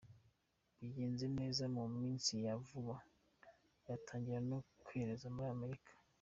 Bigenze neza mu minsi ya vuba yatangira no kwereza muri Amerika.